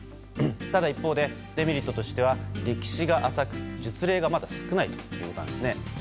ただ一方で、デメリットとしては歴史が浅く、術例がまだ少ないということです。